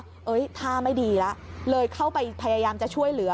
ท่าไม่ดีแล้วเลยเข้าไปพยายามจะช่วยเหลือ